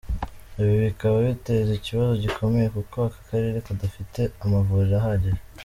Ibi bikaba biteza ikibazo gikomeye kuko aka karere kadafite amavuriro ahagije.